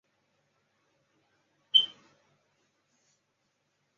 游戏介面似受世纪帝国系列的影响。